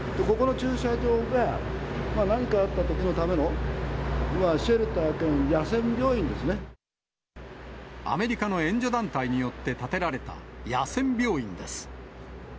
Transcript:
ここの駐車場が、何かあったときのためのまあ、アメリカの援助団体によって建てられた、野戦病院です。